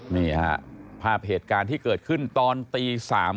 นี่ฮะภาพเหตุการณ์ที่เกิดขึ้นตอนตี๓